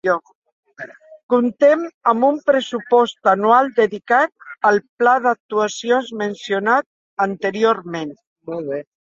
Comptem amb un pressupost anual dedicat al Pla d'Actuacions mencionat anteriorment.